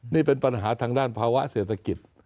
นี่เป็นปัญหาทางด้านภาวะเศรษฐกิจ